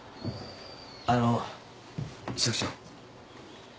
あの職長。